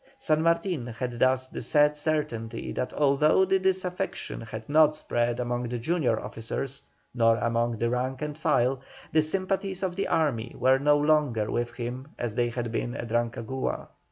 San Martin had thus the sad certainty that although the disaffection had not spread among the junior officers, nor among the rank and file, the sympathies of the army were no longer with him as they had been at Rancagua.